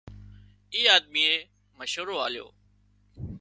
اي آۮميئي مشورو آليو